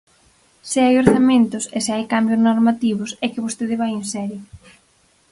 Se hai orzamentos e se hai cambios normativos, é que vostede vai en serio.